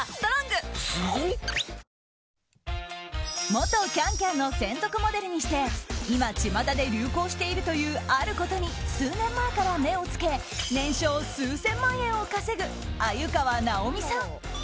元「ＣａｎＣａｍ」の専属モデルにして今、巷で流行しているというあることに数年前から目をつけ年商数千万円を稼ぐ鮎河ナオミさん。